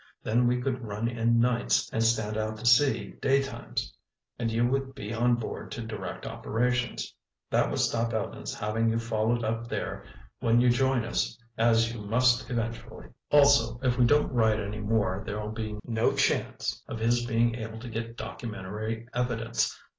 Then we could run in nights and stand out to sea day times, and you would be on board to direct operations. That would stop Evans having you followed up there when you join us as you must eventually. Also if we don't write any more there'll be no chance of his being able to get documentary evidence.